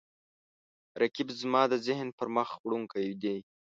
رقیب زما د ذهن پرمخ وړونکی دی